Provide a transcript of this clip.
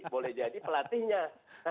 boleh jadi pelatihnya